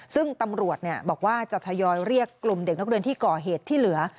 ซึ่งตำรวจบอกว่าจะทยอยเรียกกลุ่มเด็กนักเรียนที่ก่อเหตุที่เหลือ